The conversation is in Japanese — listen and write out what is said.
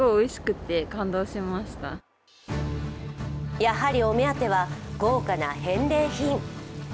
やはりお目当ては豪華な返礼品。